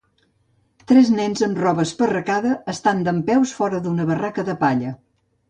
Tres nens amb roba esparracada estan dempeus fora d'una barraca de palla.